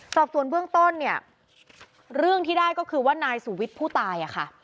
สอบส่วนเบื้องต้นเนี่ยเรื่องที่ได้ก็คือว่านายสุวิทย์ผู้ตายค่ะ